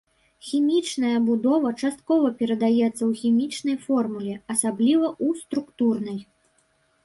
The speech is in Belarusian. Хімічная будова часткова перадаецца ў хімічнай формуле, асабліва ў структурнай.